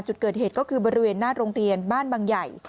จุดเกิดเหตุก็คือบริเวณหน้าโรงเรียนบ้านบางใหญ่